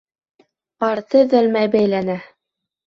Арты өҙөлмәй бәйләнә.